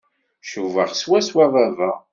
Cubaɣ swaswa baba.